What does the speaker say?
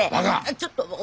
ちょっと。